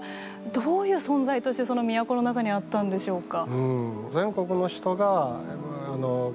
どういう存在としてその都の中にあったんでしょうか。